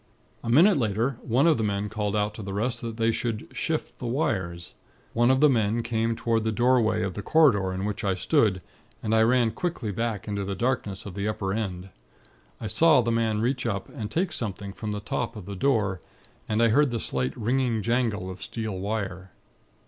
"A minute later, one of the men called out to the rest that they should 'shift the wires.' One of the men came toward the doorway of the corridor in which I stood, and I ran quickly back into the darkness of the upper end. I saw the man reach up, and take something from the top of the door, and I heard the slight, ringing jangle of steel wire.